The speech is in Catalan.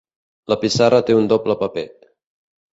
La pissarra té un doble paper.